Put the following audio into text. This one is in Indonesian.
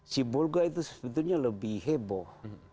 si bolga itu sebetulnya lebih heboh